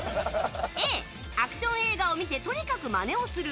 Ａ、アクション映画を見てとにかくまねをする。